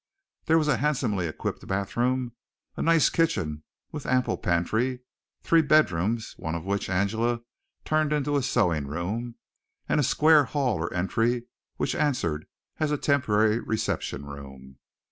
There was a handsomely equipped bathroom, a nice kitchen with ample pantry, three bedrooms, one of which Angela turned into a sewing room, and a square hall or entry which answered as a temporary reception room.